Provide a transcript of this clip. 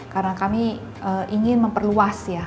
karena kami ingin memperluas ya